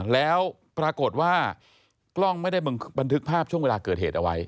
แล้วปรากฏว่ากล้องไม่ได้บันทึกภาพช่วงเวลาเกิดเหตุเอาไว้